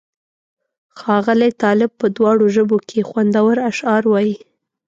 ښاغلی طالب په دواړو ژبو کې خوندور اشعار وایي.